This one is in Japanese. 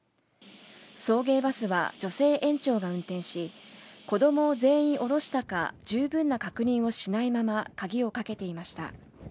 送迎バスは女性園長が運転し、子どもを全員降ろしたか十分な確認をしないまま、鍵をかけていました。